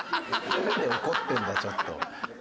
なんで怒ってんだちょっと。